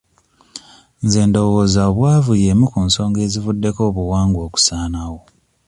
Nze ndowooza obwavu y'emu ku nsonga ezivuddeko obuwangwa okusaanawo.